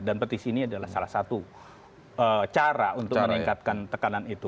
dan petisi ini adalah salah satu cara untuk meningkatkan tekanan itu